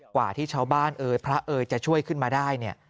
กว่าที่ชาวบ้านเอ่ยพระเอ๋ยจะช่วยขึ้นมาได้เนี่ย